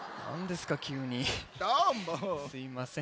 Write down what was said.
すいません。